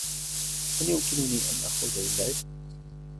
هل يمكننى أن أخرج للعب؟